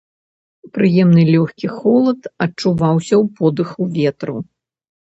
Прыемны лёгкі холад адчуваўся ў подыху ветру.